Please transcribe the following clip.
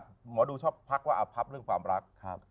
หมอดูชอบทักว่าอพับเรื่องความรัก